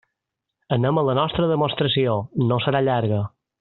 Anem a la nostra demostració; no serà llarga.